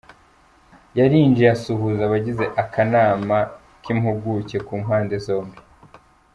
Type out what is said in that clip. Yarinjiye asuhuza abagize akanama k’impuguke ku mpande zombi.